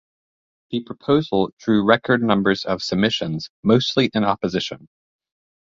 The proposal drew record numbers of submissions mostly in opposition.